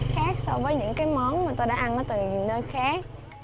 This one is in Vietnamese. khác so với những món mà tôi đã ăn từ nơi khác